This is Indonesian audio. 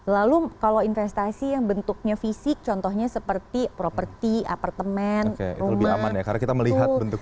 lalu kalau investasi yang bentuknya fisik contohnya seperti properti apartemen rumah